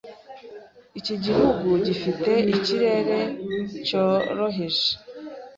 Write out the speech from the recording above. Iki gihugu gifite ikirere cyoroheje.